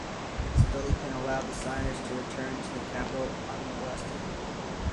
Stolypin allowed the signers to return to the capital unmolested.